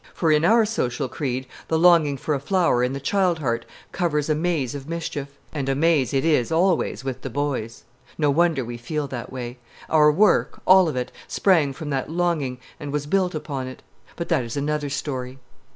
For in our social creed the longing for a flower in the child heart covers a maze of mischief; and a maze it is always with the boys. No wonder we feel that way. Our work, all of it, sprang from that longing and was built upon it. But that is another story.